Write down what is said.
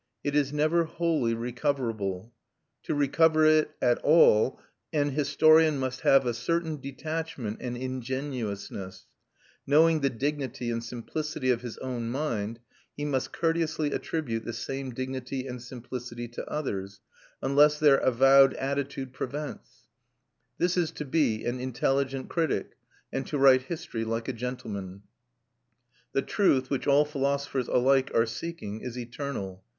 It is never wholly recoverable. To recover it at all, an historian must have a certain detachment and ingenuousness; knowing the dignity and simplicity of his own mind, he must courteously attribute the same dignity and simplicity to others, unless their avowed attitude prevents; this is to be an intelligent critic and to write history like a gentleman. The truth, which all philosophers alike are seeking, is eternal.